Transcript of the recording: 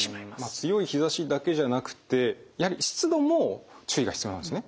強い日ざしだけじゃなくってやはり湿度も注意が必要なんですね。